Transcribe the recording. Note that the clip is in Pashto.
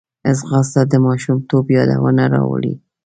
ځغاسته د ماشومتوب یادونه راولي